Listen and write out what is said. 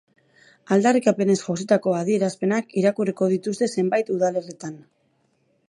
Aldarrikapenez jositako adierazpenak irakurriko dituzte zenbait udalerritan.